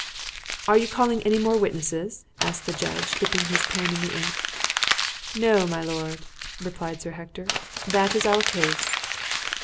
"Are you calling any more witnesses?" asked the judge, dipping his pen in the ink. "No, my lord," replied Sir Hector. "That is our case."